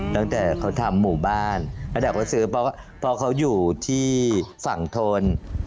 ตั้งแต่เขาทำหมู่บ้านระดับเขาซื้อเพราะเขาอยู่ที่ฝั่งทน